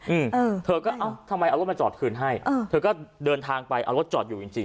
อืมเออเธอก็เอ้าทำไมเอารถมาจอดคืนให้อ่าเธอก็เดินทางไปเอารถจอดอยู่จริงจริง